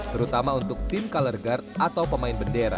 terutama untuk tim color guard atau pemain bendera